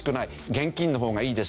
現金の方がいいです。